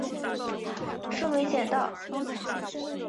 说没捡到